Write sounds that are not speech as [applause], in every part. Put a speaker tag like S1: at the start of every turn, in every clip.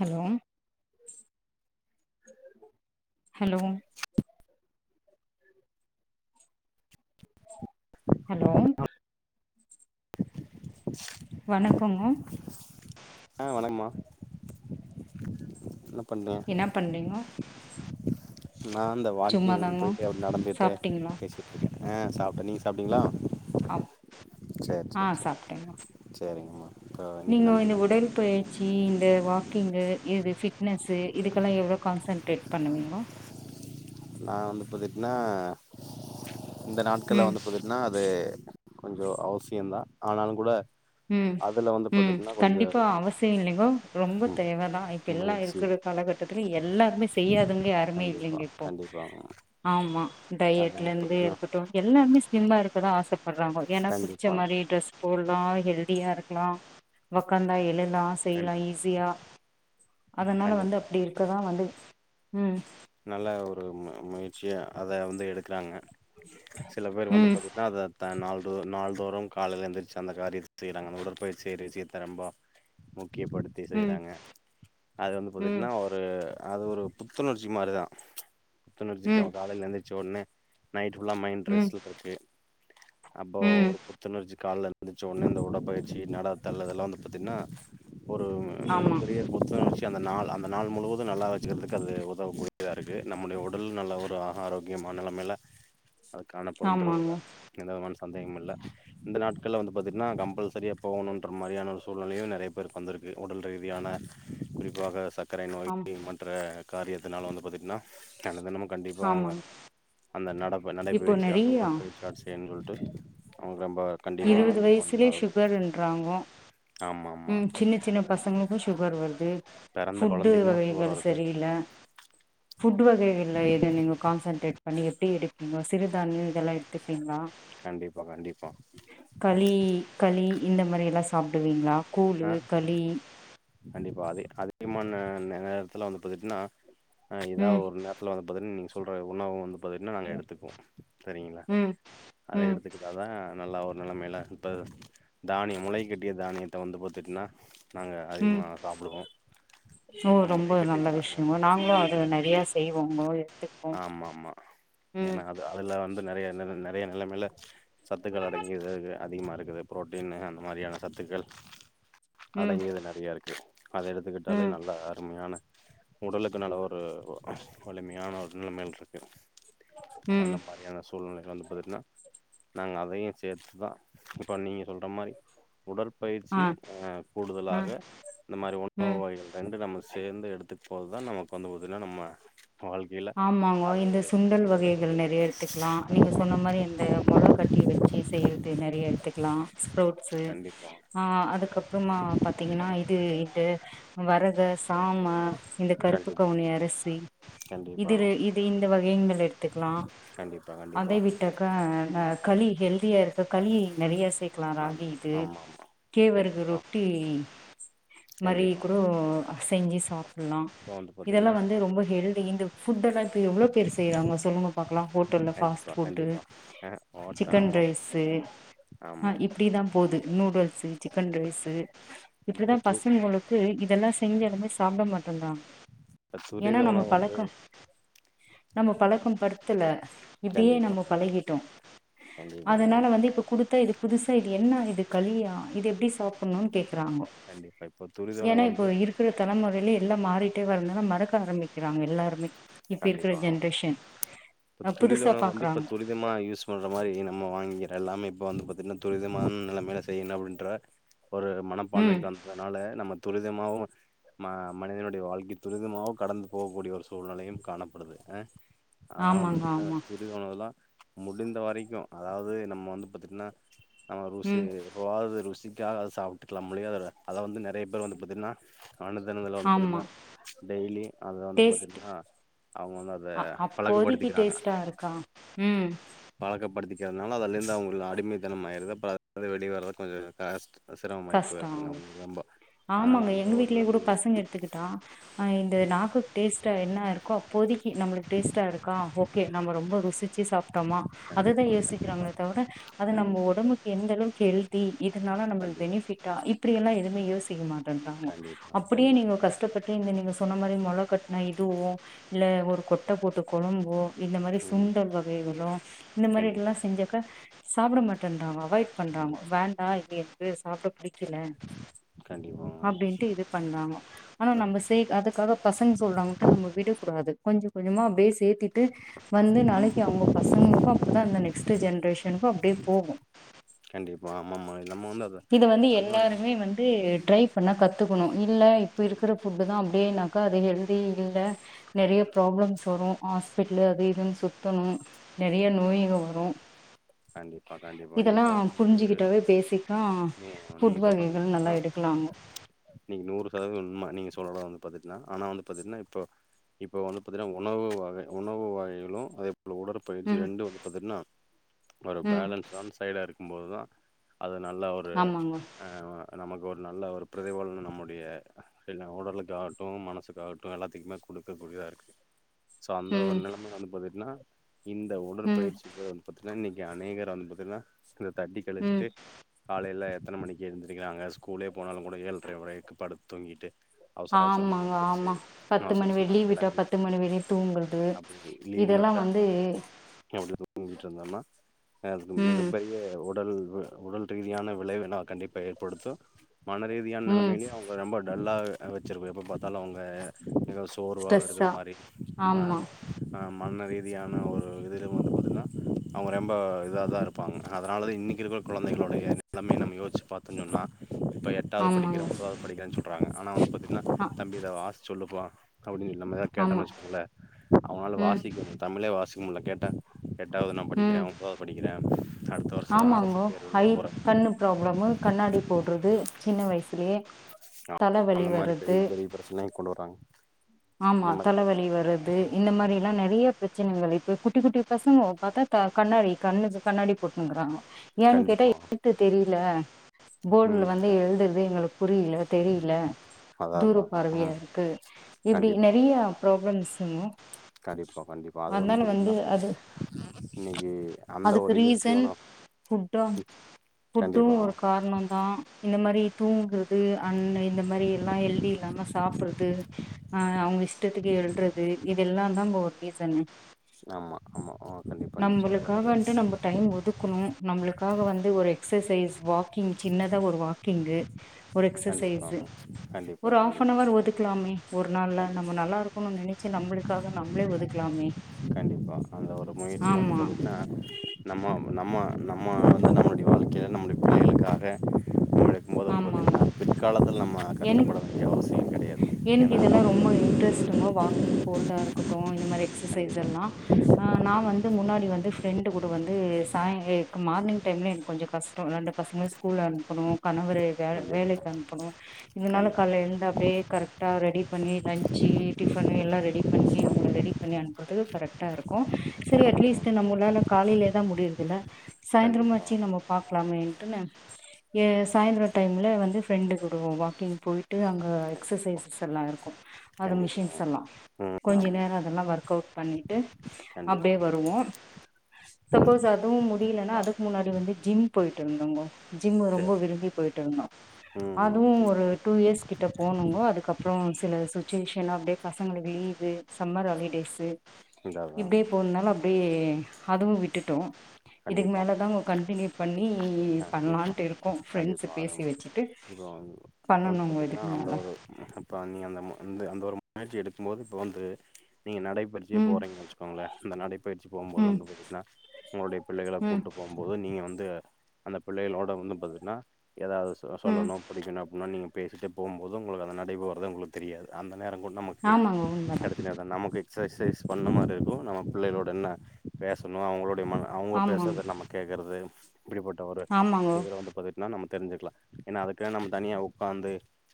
S1: Hello hello hello வணக்கொ
S2: ஆ வணக்கம்மா பண்ணே
S1: என்ன பண்றீங்கோ
S2: நா இந்த வாக்கிங்
S1: சும்மாதாங்கோ
S2: போய்ட்டே அப்டி நடந்துட்டு
S1: சாப்ட்டீங்களா
S2: பேசிட்ருக்க ஆ சாப்ட்டே நீங்க சாப்ட்டீங்ளா
S1: அப் ஆ சாப்ட்டேங்க
S2: சேரிங்கம்மா இப்போ இன்னைக்கு
S1: நீங்க
S2: நம்ம
S1: இந்த
S2: என்ன
S1: உடற்பயிற்சி இந்த வாக் குக்கிங்கு இது ஃபிட்னஸு இதுக்கெல்லா எவ்ளோ கான்சன்ட்ரேட் பண்ணுவீங்கோ
S2: நா வந்து பாத்தீட்னா இந்த நாட்கள்ல
S1: ம்
S2: வந்து பாத்தீட்னா அது கொஞ்சம் அவசியந்தா ஆனாலும் கூட
S1: ம்
S2: அதுல வந்து
S1: ம்
S2: பாத்துட்னா கொஞ்சோ
S1: கண்டிப்பா அவசியம் இல்லைங்கோ ரொம்ப தேவதா இப்ப எல்லாம்
S2: முயற்சி
S1: இருக்கிற காலகட்டத்துல எல்லாருமே செய்யாதுங்க யாருமே
S2: கண்டிப்பா
S1: இல்லைங்க இப்போ
S2: கண்டிப்பாங்க
S1: ஆமா
S2: அது
S1: டயட்ல
S2: வந்து
S1: இருந்து
S2: பாத்துட்னா
S1: இருக்கட்டும் எல்லாருமே ஸ்லிம் ஸ்லிமா இருக்கதா ஆச வர்றாங்கோ ஏன்னா புடிச்ச
S2: கண்டிப்பா
S1: மாரி ட்ரெஸ் போடலாம் ஹெல்தியா இருக்கலாம் உக்காந்தா எழு லாம் செய்லாம்
S2: கண்டிப்பா
S1: ஈஸியா அதனால வந்து
S2: கண்டிப்பா
S1: அப்டி இருக்கதா வந்து ம்
S2: நல்ல ஒரு முயற்சியா அத வந்து எடுக்றாங்க சில பேர் வந்து
S1: ம்
S2: பாத்திட்னா அத நால நாள்தோறும் காலைல எந்திரிச்சு அந்த காரியத்தை செய்றாங்க அந்த உடற்பயிற்சி விசியத்த ரொம்ப முக் முக்கியப்படுத்தி
S1: ம்
S2: செய்றாங்க அது வந்து
S1: ம்
S2: பாத்தீட்னா ஒரு அது ஒரு புத்துணர்ச்சி ஜிம் மாரிதா புத்துணர்ச்சிகாக
S1: ம்
S2: காலைல எந்திரிச்சஒன்னே நைட் ஃபுல்லா மைண்ட்
S1: ம்
S2: ரெஸ்ட்ல இருக்கு அப்போ
S1: ம்
S2: ஒரு புத்துணர்ச்சி கால எந்திரிச்ச உடனே இந்த உடற்பயிற்சி நடத்தல் இதெல்லாம் வந்து பாத்தீங்கன்னா ஒரு
S1: ஆமா
S2: மாதிரியே புத்துணர்ச்சி அந்த நாள் அந்த நாள் முழுவதும் நல்லா வச்சக்கிறதுக்கு அது ஒ க்க கூடியதா இருக்கு நம்முடைய உடல் நல்ல ஒரு ஆக ஆரோக்கியமான நிலைமையில அது
S1: ஆமாங்க
S2: காணப்பன்றதுதா எந்த விதமான சந்தேகம் இல்ல இந்த நாட்கள்ல வந்து பார்த்தீங்கன்னா கம்பல்சரியா போகணும்ன்ற மாதிரியான ஒரு சூழ்நிலையும் நெறைய பேருக்கு வந்திருக்கு உடல் ரீதியான குறிப்பாக சக் கர
S1: ஆம்
S2: நோய்க்கு மற்ற காரியத் நால வந்து பாத்தி னா தென தெனமு கண்டிப்பா அவங்க
S1: ஆமாங்க
S2: அந்த நட
S1: இப்போ
S2: நடைப்பயிற்சியாக
S1: நெறையா
S2: உடற்பயிற்சியாக செய்யணும் [unintelligible]
S1: இருபது
S2: இது பண்ணி
S1: வயசுலயே
S2: ஆகணும்
S1: சுகர்ன்றாங்கோ
S2: ஆமா ஆமா
S1: ம் சின்ன சின்ன பசங்களுக்கும் சுகர் வருது
S2: பெறந்த
S1: ஃபுட்டு
S2: கொழந்தைக்குமு சோறு
S1: வகைகள்
S2: வருது
S1: சரியில்ல ஃபுட் வகைகள்ள எது நீங்க கான்சன்ட்ரேட் பண்ணி எப்டி எடுப்பீங்க சிறுதானியோ இதெல்லா எடுத்துப்பீங்ளா
S2: கண்டிப்பா கண்டிப்
S1: களி களி இந்த மாரி எலாஸ் சாப்டுவீங்ளா கூழு
S2: ஆ
S1: களி
S2: கண்டிப்பா அதே அதிகமான நேரத்துல வந்து பாத்துடிங்னா ஆ இதா
S1: ம்
S2: ஒரு நேரத்துல பதன் நீங்க சொல்ற உணவு வந்து நாங்க எடுத்துகுவோ சரிங்ளா
S1: ம்
S2: அத
S1: ம்
S2: எடுத்துக்கிட்டா தா நல்லா ஒரு நெலமைல இப்ப தானியம் முளை கட்டிய தானியத் த வந்து பாத்திடினா நாங்க
S1: ம்
S2: அதிகமாக சாப்டுவோ
S1: ஓ
S2: இந்த
S1: ரொம்ப
S2: முளைக்கட்டிய
S1: நல்ல
S2: தானிய
S1: விஷயங்க நாங்களு அது
S2: ஆமா
S1: நெறைய செய்வோங்கோ எடுத்துப்போ
S2: ஆமாமா
S1: ம்
S2: ஏனா அது அதுல வந்து நெறையா நெறைய நெலமைல சத்துக்கள் அடங்கிதாக அதிகமா இருக்குது புரோட்டீனு அந்த மாரியான சத்துக்கள்
S1: ம்
S2: அடங்கியது நெறையா இருக்கு அத எடுத்துக்கிட்டாலே
S1: ம்
S2: நல்லா அருமையான உடலுக்கு நல்ல ஒரு வலிமையான ஒரு நிலமைல் இருக்கு அந்த
S1: ம்
S2: மாரியான சூழ்நிலைகள் வந்து பாத்துடிங்னா நாங்க அதையு சேத்துதா இப்ப நீங்க சொல்ற மாரி உடற்
S1: ஆ
S2: பயிற்சி கூடுதலாக
S1: ம்
S2: இந்த மாரி
S1: ம்
S2: உணவு வகைகள் ரெண்டு நமக்கு சேந்து எடுத்துக்போது தா நமக்கு வந்து அதெலா நம்ப
S1: ஆமாங்க இந்த சுண்டல் வகைகள்
S2: ஒரு
S1: நெறைய எடுத்துக்லா நீங்க சொன்ன மாரி அந்த மொள கட்டி வெச்சி செய்யறது நெறையா எடுத்துக்லா ப்ரூட்ஸு
S2: கண்டிப்பா
S1: ஆஹ் அதுக்கப்றமா பாத்தீங்கன்னா இது எஃகு வரக சாம இந்த கருப்பு
S2: கண்டிப்பா
S1: கவுனி அரிசி
S2: கண்டிப்பா
S1: இதுரு இது இந்த வகைங்கள் எடுத்துக்கலா
S2: கண்டிப்பா கண்டிப்பா
S1: அதை விட்டாக்க களி ஹெல்தியா இருக்க களி நெறையா சேக்கலா
S2: ஆமா
S1: ராகி இது
S2: ஆமா ஆமா
S1: கேழ்வரகு
S2: கண்டிப்பா
S1: ரொட்டி மரி
S2: கண்டிப்பா
S1: குடோ செஞ்சி சாப்புலா
S2: இப்ப வந்து
S1: இதெல்லா
S2: பாத்தீங்கன்னா
S1: வந்து ரொம்ப ஹெல்தி ஃபுட்டெல்லா க்கு எவ்ளோ பேர் செய்றாங்க சொல்லுங்க பாக்லா ஹோட்டெல்ல ஃபாஸ்ட்
S2: கண்டிப்பா
S1: ஃபுட்டு
S2: கண்டிப்பா ஆ ஓட்ட
S1: சிக்கன்
S2: ஆமா
S1: ரைஸு அ
S2: ஆமா ஆமா
S1: இப்டிதா போது நூடல்ஸு சிக்கன் ரைஸு இப்டிதா
S2: இப்ப து
S1: பசங்களுக்கு இதெல்லா செஞ்சாலுமே சாப்ட மாட் மட்டுதா
S2: அ துரித உணவு வந்து
S1: நம்ப பழக்கோ படுத்துல இப்டியே
S2: கண்டிப்பா
S1: நம்ப
S2: கண்டிப்பா
S1: பழகிட்டோ
S2: கண்டிப்பாங்க
S1: அதனால வந்து இப்ப குடுத்தா இது புதுஸ் த இது என்னா இது களியா இது எப்டி சாப்புணுனு கேக் குறாங்கோ
S2: கண்டிப்பா இப்ப துரித உணவு
S1: ஏன்னா இப்போ
S2: வந்து
S1: இருக்கிற தலமொறய்லே எல்லாம் மாறிட்டே வரனால மறக்க ஆரம்பிக்கிறாங்க எல்லாருமே இப்ப இருக்கிற
S2: கண்டிப்பா
S1: ஜென்ரேஷன்
S2: இப்ப துரித
S1: புதுசா
S2: உணவு வந்து இப்ப
S1: பாக்குறாங்க
S2: துரிதமா யூஸ் பண்ற மாரி நம்ம வாங்கி எல்லாமே இப்ப வந்து து பத்தினா துரிதமான நெலமைய்ல செய்யணு அப்டின்ற ஒரு
S1: ம்
S2: மனப்பான்மைக்கு வந்ததுனால நம்ம துரிதமாவும் ம மனிதனுடைய வாழ்க்கை துரிதமாவு கடந்து போகக்கூடிய ஒரு சூழ்நிலையும் காணப்படுது அ அதனா வந்து
S1: ஆமாங்க ஆமா
S2: [unintelligible] ச் முடிந்த வரைக்கு அதாவுது நம்ம வந்து பாத்தீட்ன்னா நம்ம
S1: ம்
S2: [unintelligible] ருசிக்காக அத சாப்புட்டுக்கலாம் முழிய அத அத வந்து நறைய பேர் வந்து பாத்தீங்ன்னா [unintelligible] எல்லா வந்து
S1: ஆமா
S2: பாத்தீன்னா டெய்லி அத வந்து
S1: டேஸ்ட்
S2: பாத்தீட்ன்னா அவுங்க வந்து அத
S1: போதிக்கி
S2: பழக்கப்படுத்திக்கிறாங்க
S1: டேஸ்டா இருக்கா ம்
S2: பழக்கப்படுத்திக்கிறதுனால அதலேருந்து அவுங்களுக்கு அடிமைத்தனம் ஆயிர்து அப்பறம் அதாவது வெளியேவர கொஞ்ச காஷ்ட்
S1: கஷ்ட ஆவு
S2: அதனால
S1: ஆமாங்க
S2: அந்த
S1: எங்க
S2: ஒரு
S1: வீட்லயே கூடோ
S2: நிலைமை மா
S1: பசங்க எடுத்துக்கிட்டா அ இந்த நாக்கு டேஸ்ட்டா என்ன இருக்கோ அப்போதிக்கி கி நம்மளுக்கு டேஸ்ட்டா இருக்கா ஓகே நம்ப ரொம்ப ருசிச்சி சாப்ட்டோமா அததுதான்
S2: கண்டிப்பா
S1: யோசிக்கிறாங்கள தவிர அது நம்ம
S2: கண்டிப்பா
S1: ஒடம்புக்கு எந்த அளவு ஹெல்தி இதனால
S2: கண்டிப்பா
S1: நம்ப டா இப்டியெல்லா எதுமே யோசிக்க மாட்
S2: கண்டி
S1: டன்டாங்கோ
S2: கண்டிப்பா
S1: அப்டியே
S2: கண்டிப்பா
S1: நீங்கோ கஷ்டப்பட்டு இந்த நீங்க சொன்ன மாரி மொள கட் நா இதுவோ இல்ல ஒரு கொட்ட போட்டு கொழம்போ இந்த மாரி
S2: ம்
S1: சுண்டல் வகைகளு இந்த மாரி
S2: கண்டிப்
S1: இதல்லா செஞ்சாக்க சாப்ட மாட் [unintelligible] அவாய்ட் பண்றாங்கோ
S2: கண்டிப்பா
S1: வேண்டா இது எது சாப்ட புடிக்கல
S2: கண்டிப்பா
S1: அப்டின்ட்டு இது பண்றாங்கோ ஆனா
S2: இப்ப
S1: நம்ம செய் அதுக்காக பசங்க சொல்றாங்கட்டு நம்ம விட கூடாது கொஞ்சோ கொஞ்சமா அப்டியே சேர்த்திட்டு வந்து நாளைக்கி அவுங்க பசங்களுக்கு அப்பதான் அந்த நெக்ஸ்ட் ஜென்ரேஷனுக்கு அப்டியே போகு
S2: கண்டிப்பா ஆமாம்மா
S1: இத வந்து எல்லாருமே வந்து ட்ரை பண்ண கத் கத்துக்கணு இல்ல இப் இப்ப இருக்குற ஃபுட்டு தான் அப்டியே ந க அது ஹெல்தி இல்ல நெறைய ப்ராப்ளம்ஸ் வரும் ஹாஸ்பிட்லு அது இதுன்னு சுத்தணு நெறைய நோய்க வரு
S2: கண்டிப்பா கண்டிப்பா நீங்க
S1: இதெல்லா
S2: சொல்றது வந்து
S1: புரிஞ்சுக்கிட்டாவே பேசிக்கா
S2: நீங்க
S1: ஃபுட்
S2: நீங்க சொல்ற
S1: வகைகள் நல்லா
S2: உண்மதா,
S1: எடுக்கலாங்க
S2: நீங்க நூறு சதவீதம் உண்ம நீங்க சொல்றதுலா வந்து பாத்துட்டீங்னா ஆனா வந்து பாத்துட்டீங்னா இப்போ இப்போ வந்து பாதீங்கனா உணவு வகை உணவு வகைகளு அதேபோ ல உடற்பயிற்சி
S1: ம்
S2: ரெண்டு வந்து பாத்துட்டீங்னா ஒரு
S1: ம்
S2: பேலன்ஸான சைடா இருக் கும்போதுதா அது நல்ல ஒரு
S1: ஆமாங்க
S2: ஆ நமக்கு ஒரு நல்ல ஒரு பிரதிபலன நம்முடைய இல்ல உடலுக்காகட்டு மனசுக்காகட்டு எல்லாத்துக்மே குடுக்கக் கூடியதா இருக்கு சோ அந்த ஒரு
S1: ம்
S2: நெலம [unintelligible] னா இந்த
S1: ம்
S2: உடற்பயிற்சி வந்து [inaudible] இன்னக்கி அநேகர வந்து பாத்தீங்னா தட்டி
S1: ம்
S2: கழிச்சிட்டு காலைல எத்தன மணிக்கி எந்திரிக்கிறாங்க ஸ்கூலே போனாலு கூட ஏழ்ற வரைக்கு படுத் தூங்கிட்டு அவசர அவசரமா
S1: ஆமாங்க
S2: எந்திரிச்சு
S1: ஆமா பத்து
S2: அவசர
S1: மணி வெர்
S2: அவசரமா
S1: லீவ் விட்டா
S2: கெளம்பி
S1: பத்து மணி வெரியு தூங்கற்து
S2: அப்டி லீவுன்னு
S1: இதெல்லா
S2: விட்டா
S1: வந்து
S2: லாம [unintelligible]
S1: ம்
S2: மிகப் பெரிய உடல் உடல் ரீதியான விளைவு என்னாவு கண்டிப்பா ஏற்படுத்து மனரீதியான
S1: ம்
S2: நெலமைலியு அவங்க ரொம்ப டல்லாவே வெச்சிற்ப எப்பப் பாத்தாலு அவுங்க எதாவ் சோர்வா இருக்குற
S1: ஸ்ட்ரெஸ்ஸா
S2: மாரி ஆமா ஆ மன ரீதியான ஒரு இதுல வந்து பாத்தீனா அவ்ங்க ரொம்ப இதாதா இருப்பாங்க அதனால தா இன்னிக்கி இருக்ற கொழந்தைகளோடைய நிலமைய நம்ம யோசிச்சு பாத்தோண் சொன்னா இப்ப எட்டாவ்து படிக்கிற
S1: ஆமாங்க
S2: ஒம்பதாவ்து படிக்கிறன் சொல் றாங்க ஆனா அவன பாத்தி னா
S1: ஆ
S2: தம்பி இத வாஸ் சொல்லுப்பா அப்டி நம்ம எதா கேட்டனு
S1: ஆமா
S2: வச்சுக்கோங்களே அவனால
S1: ம்
S2: வாசிக்க தமிழே வாசி முல்ல கேட்டா எட்டாவ்து நா படிக்கிற
S1: ம்
S2: ஒம்தாது படிக்கிற
S1: ஆமாங்கோ ஐ கண்ணு ப்ராப்ளமு கண்ணாடி போட்றது சின்ன வயசுலயே தல வலி
S2: அந்த மாரி பெரிய
S1: வர்றது
S2: பெரிய பிரச்சனைய கொண்டு வராங்
S1: ஆமா தலவலி வர்றது இந்த மாரில்லா நறைய ப்ரச் ச்சினுங்கு இப்பு குட்டி குட்டி பசங்கோ பாத்தா கண்ணாடி கண்ணுச்சு கண்ணாடி போட்னுக்குறாங்கோ ஏன்
S2: கண்டிப்பா
S1: கேட்டா [inaudible] தெரில போர்ல
S2: ம்
S1: வந்து எழுதுற்து எங்ளுக்கு புரில தெரில
S2: அதா
S1: தூர
S2: அதா அதா
S1: பார்வியா
S2: ம்
S1: இருக்கு இப்டி
S2: கண்டிப்பா
S1: நெரியா ப்ராப்லம்ஸ்ங்கோ
S2: கண்டிப்பா கண்டிப்பா அது வந்து பாத்தீன்னா
S1: அது
S2: இன்னிக்கு அந்த
S1: அதுக்கு
S2: ஒரு
S1: ரீசன்
S2: இயற்கையான
S1: ஃபுட்டா ஃபுட்டு
S2: கண்டிப்பா
S1: ஒரு காரணந்தா இந்த மாரி தூங்று து அன் அ இந்த மாரி எல்லா எல் இது இல்லாம சாப்றது ஆ அவுங்க இஷ்டத்துக்கு எழ்றது இதெல்லாதா ஒரு ரீசன்
S2: ஆமா ஆமா ஆ கண்டிப்பா நீங்க
S1: நம்முளுக்காக
S2: சொல்றது
S1: வந்ட்டு நம்ம டைம் ஒதுக்கணு நம்முளு க்காக வந்து ஒரு எக்சசைஸ் வாக்கிங் சின்னதா ஒரு வாக்கிங்கு ஒரு
S2: கண்டிப்பா
S1: எக்சசைஸு
S2: ஆமா. கண்டிப்பா
S1: ஒரு
S2: கண்டிப்பா
S1: ஹாஃபனவர் ஒதுக்கலாமே ஒரு நாள்ல நம்ம
S2: கண்டிப்பா
S1: நல்லா இருக்கணுன்னு நெனைச்சு நம்புளுக்காக நம்மளே ஒதுக்கலாமே
S2: கண்டிப்பா அந்த ஒரு முயற்சி வந்து
S1: ஆமா
S2: பாத்தீங்கன்னா, நம்ம நம்ம நம்ம வந்து நம்பளுடைய வாழ்க்கைல நம்முடைய புள்ளைங்களுக்காக
S1: ஆமாங்க
S2: நம்ம
S1: எனக்
S2: கஷ்டப்பட வேண்டிய அவசியம் கெடையாது.
S1: எனக்கு
S2: ஏன்னா
S1: இதெல்லா ரொம்ப இன்ட்ரெஸ்ட்ங்க வாக்கிங் போறதா இருக்கு ட்டு இந்த மாரி எக்ஸசைஸ்
S2: கண்டிப்பா,
S1: எல்லா நா வந்து முன்னாடி வந்து ஃப்ரெண்டு கூட வந்து சாயி மார்னிங் டைமில எனக்கு கொஞ்சோ கஷ்டோ ரெண்டு பசங்கலயு ஸ்கூல்ல அனுப்பணு கணவர வே
S2: கண்டிப்பா,
S1: வேலைக்கு அனுப்பணு இதனால
S2: கண்டிப்பா,
S1: கால ஏண்டா துவே கரெக்ட்டா ரெடி பண்ணி லஞ்ச்சு டிஃபனு எல்லா ரெடி பண்ணி அவுங்கள ரெடி பண்ணி அனுப்றது கரெக்ட்டா இருக்கு செரி அட்லீஸ்ட் நம்முளால காலிலதா முடியர்தில்ல
S2: கண்டிப்பா, கண்டிப்பா,
S1: சாய்ந்தரமாச்சு நம்ப பாக்லாமேண்ட் ஏஸ் சாய்ந்தர டைமில்ல வந்து ஃப்ரெண்டு கூட வாக்கிங் போயிட்டு அங்க எக்ஸசைஸ் எல்லா இருக்கு
S2: கண்டிப்பா,
S1: அது மிஷின்ஸ்
S2: கண்டிப்பா.
S1: எல்லா
S2: ம்.
S1: கொஞ்ச
S2: ஆமா.
S1: நேர அதெல்லா ஒர்க் அவுட் பண்ணிட்டு
S2: கண்டிப்பா.
S1: அப்டியே வருவோ சப்போஸ் அதுவு முடியலனா
S2: கண்டிப்பா.
S1: அதுக்கு முன்னாடி வந்து ஜிம் போய்ட்டு இருந்தங்கோ ஜிம் ரொம்ப
S2: சரி.
S1: விரும்பி போய்ட்டு இருந்தோ
S2: ம்.
S1: அதுவு
S2: இல்ல.
S1: ஒரு டூ இயர்ஸ் கிட்ட போணுங்கோ அதுக்கப்றோ சில சுச்சுவேஷன் அப்டியே பசங்ளுக்கு லீவு சம்மர் ஹாலிடேஸு
S2: இல்ல அதான்
S1: இப்டே
S2: அதான்.
S1: போன்னால அப் ரி அதுவு விட்டுட்டோ இதுக்மேல
S2: கண்டிப்பாங்க.
S1: தா உங் கண்டிநியூ பண்ணி இ பண்ணலாட் இருக்கோ ஃப்ரெண்
S2: வாரோ இப்ப வந் இப்ப வந்து
S1: பண்ணனுங்கோ
S2: பாத்தீங்னா
S1: இதுக்கு
S2: அந்த
S1: மேல
S2: ஒரு இப்ப நீங் அந்த ம் அந் அந்த ஒரு முயற்சி எடுக்கும்போது இப்ப வந்து நீங்க நடைபயிற்சியே
S1: ம்
S2: போறீங்க வச்சுக்கோங்ளே அந்த நடைபயிற்சி போகும்போது
S1: ம்
S2: வந்து பாத்தீங்னா உங்களுடைய பிள்ளைகள
S1: ம்
S2: கூட்டு போகும்போது நீங்க வந் அந்த பிள்ளைகளோட வந்து பாத்தீங்னா எதாவ்து சொ
S1: ம்
S2: சொல்லணு புடிக்கணு அப்டினா நீங் பேசிட்டே போம்போது உங்களுக்கு அத நடைப்பு வர்றது உங்களுக்கு தெரியாது அந்த நேரொ கூட்னா முக்கே
S1: ஆமாங்கோ உண்மதா
S2: கடசி [unintelligible] சைஸ் சைஸ் பண்ண மாரி இருக்கு நம்ம பிள்ளைகளோட என்ன பேசணோ அவுங்களோ முடியுமான் அவுங்க
S1: ஆமா
S2: பேசற்து நம்மக் கேக்குறது இப்டிப்பட்ட ஒரு
S1: ஆமாங்கோ
S2: இதுல வந்து பாத் னா நம்ம தெரிஞ்சுக்லா ஏனா அதுக்குன் நம்ம தனியா உக்காந்து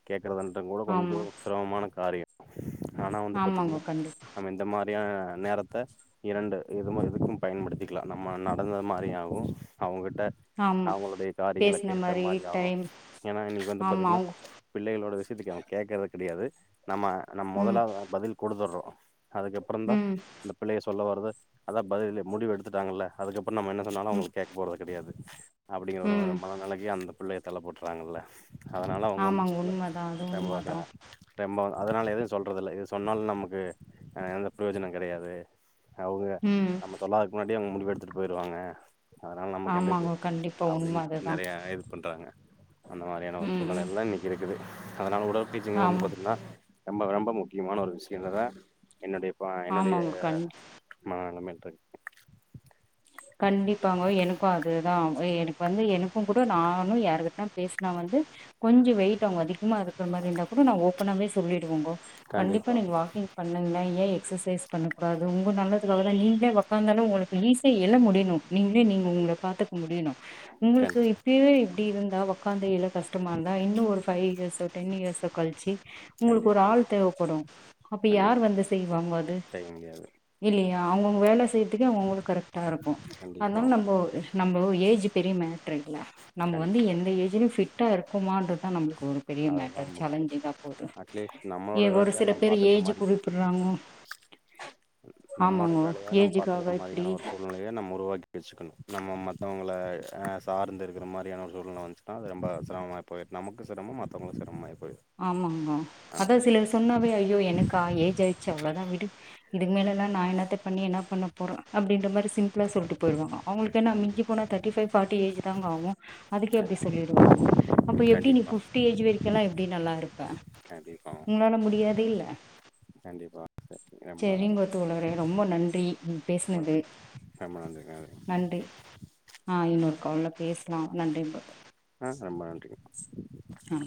S2: கே [unintelligible] கூடொ கொஞ்சோ
S1: ஆமா
S2: சிரமமான காரியொ ஆனா வந்து
S1: ஆமாங்கோ
S2: பாத்தீங்னா
S1: கண்டிப்பா
S2: நம்ம இந்த மா ரியா நேரத்த இரண்டு எதுமோ எதுக்கும் பயன்படுத்திக்லா நம்ம நடந்த மாரியாவு அவுங்கட் ட
S1: ஆமா
S2: அவுங்களுடைய காரியங்கள
S1: பேசுன
S2: கேட்ட
S1: மாரி
S2: மாரியாவு
S1: டைம்
S2: ஏன்னா இன்னக்கி வந்து
S1: ஆமா
S2: பாத்தீங்னா
S1: அவுங்க
S2: பிள்ளைகளோட விஷயத்துக்கு அவுங் கேக்றத கெடையாது நம்ம நா
S1: ம்
S2: மொதலா பதில் குடுத்துர்றோ அதுக்கப்றந்தா
S1: ம்
S2: இந்த பிளேஸ் சொல்ல வர்றத அதா பதிலிலே முடிவெடுத்துட்டாங்கல்ல அதுக்கப் ப என்ன சொன்னாலு
S1: ம்
S2: அவுங்களுக் கேக் போறது கெடையாது அப்டிங்கற ஒரு
S1: ம்
S2: மனநெலக்கி அந்தப் பிள்ளைய தள்ளப்பட்றாங்கல்ல அதனால அவுங்க வந்து
S1: ஆமாங்க உண்மதா அது
S2: பாத்தீனா
S1: உண்மதா
S2: [inaudible] ரெம்பொ அதுனால எதுவு சொல்றதில்ல இது சொன்னால் நமக்கு ஆ எந்த ப்ரயோஜனங் கடையாது அவுங்க
S1: ம்
S2: நம்ம சொல்லாததக் முன்னா டியே அவுங்க முடிவு எடுத்துட்டு போயிருவாங்க அதனால நமக்கு எந்த கெ
S1: ஆமாங்க கண்டிப்பா உண்ம அதுதா
S2: அந்த மாரியான ஒரு
S1: ம் ம்
S2: சூழ்நிலைல இன்னக்கி இருக்குது அத்னால ஊ [unintelligible] டீச்சிங்கு வந்து
S1: ஆமா
S2: பாத்துட்டீங்னா ரொம்பக ரொம்ப முக்கியமான ஒரு விஷ்யலதா என்னோடைய ப என்னோடைய
S1: ஆமாங்க கண்
S2: ம [unintelligible]
S1: கண்டிப்பாங்கோ எனக்கு அதுதா எனக்கு வந்து எனக்குன் கூட நானு யாருகிட்ட பேசினா வந்து கொஞ்சோ வெயிட் அவுங்க அதிகமா இருக்கிற மாரி இருந்தா கூட நா ஓப்பனாவே சொல்லிடுவோங்கோ கண்டிப்பா நீங்க வாக்கிங் பண்ணங்ளே ஏ எக்ஸசைஸ் பண்ணகூடாது உங்க நல்லதுக்காகதா நீங்ளே ஒக்காந்தாலு உங்களுக்கு ஈஸி எழ முடியணு நீங்ளே நீங்க உங்கள
S2: கண்டிப்பா
S1: பாத்துக்க முடியணு உங்ளுக்கு
S2: கண்டிப்பா
S1: இப்பயே இப்டி இருந்தா ஒக்காந்து எழ கஷ்டமா இருந்தா இன்னு ஒரு ஃபைவ் இயர்ஸோ டென் இயர்ஸோ கழ்ச்சி உங்களுக்கு ஒரு
S2: கண்டிப்பா
S1: ஆள் தேவைப்படும் அப்ப
S2: கண்டிப்பா
S1: யார் வந்து
S2: கண்டிப்பா
S1: செய்வாங்க அது
S2: செய்ய முடியாது
S1: இல்லையா அவுங்கவுங்க வேல செய்யறதுக்கு அவுங்கவுங்களு கரெ இருக்கு அதனால
S2: கண்டிப்பா
S1: நம்ம நம்மோ ஏஜ் பெரிய மேட்ருல்ல நம்ம வந்து
S2: கண்டிப்பா
S1: எந்த ஏஜ்லயு ஃபிட் டா இருக்குமான்றதுதா நம்ளுக்கு ஒரு பெரிய
S2: அதுதா
S1: மேட்டர்
S2: முக்கிய
S1: சேலஞ்சிங்கா போது
S2: அட்லீஸ்ட்
S1: ஏ
S2: நம்மளோட
S1: ஒரு
S2: வேலையா
S1: சில
S2: நம்ம
S1: பேரு
S2: பாத்துக்கிற
S1: ஏஜ்
S2: மாரி
S1: குறிப்பிடுறாங்கோ ஆமாங்க ஏஜுக்காக இப்டி
S2: நிலைய நம்ம உருவாக்கி வெச்சுக்கணு நம்ம மத்தவங்கள அ சார்ந்து இருக்கிற மாரியான ஒரு சூழ்நிலை வந்துச்சுனா ரொம்ப சிரமமா போயிரு நமக்கு சிரமோ மத்தவங்களுக்கு சிரமம் ஆயிரு
S1: ஆமாங்கோ அதா சிலர் சொன்னாவே ஐயோ எனக்கா ஏஜ் ஆயிடுச்சு அவ்ளோதா விடு இதுக்கு மேல எல்லா நா என்னத்த பண்ணி என்ன பண்ண போறோ அப்டின்ற மாரி சிம்பிள்ளா சொல்ட்டு போய்டுவோ அவங்களுக்கென்ன
S2: ம்
S1: மிஞ்சி போனா தேர்டி ஃபைவ் ஃபார்ட்டி ஏஜ் தாங்க ஆகு அதுக்கே
S2: கண்
S1: அப்படி சொல்லிடுவாங்கோ அப்ப எப்படி நீ
S2: கண்டிப்பா
S1: ஃபிப்டி ஏஜ் வரைக்கு எல்லா ல்லா இருப்ப
S2: கண்டிப்பா
S1: உங்களால முடியாது இல்ல
S2: கண்டிப்பா ரொம்ப
S1: செரிங்கத்
S2: ரொம்ப
S1: தோழரே ரொம்ப நன்றி நீங் பேசினது
S2: நன்றி ரொம்ப நன்றி
S1: நன்றி ஆ இன் [unintelligible] பேசலா நன்றி தோழரே
S2: ஆ ரொம்ப நன்றி
S1: ஆ